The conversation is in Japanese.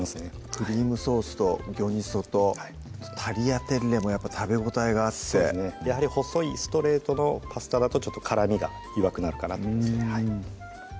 クリームソースとギョニソとタリアテッレもやっぱ食べ応えがあって細いストレートのパスタだとちょっと絡みが弱くなるかなと思います